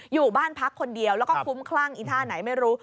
อยู่บ้านพักคนเดียวแล้วก็คุ้มคลั่งอีท่าไหนไม่รู้